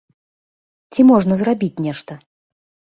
Ці можна зрабіць нешта?